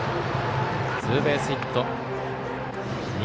ツーベースヒット。